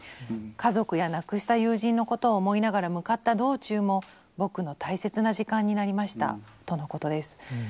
「家族や亡くした友人のことを思いながら向かった道中も僕の大切な時間になりました」とのことです。